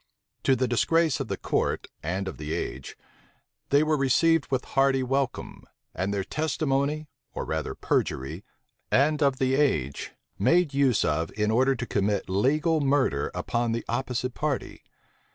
To the disgrace of the court and of the age, they were received with hearty welcome, and their testimony, or rather perjury, made use of in order to commit legal murder upon the opposite party.